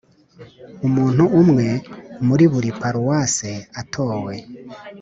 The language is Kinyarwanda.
Umuntu umwe muri buri paruwase atowe